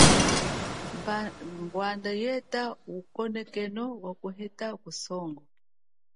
Bwanda yeta ukonekeno wakuheta cha kusongo.